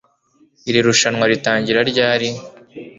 Iri rushanwa ritangira ryari